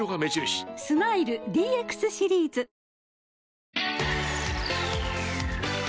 スマイル ＤＸ シリーズ！小峠）